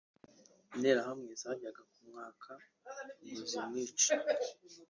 interahamwe zajyaga kumwaka ngo zimwice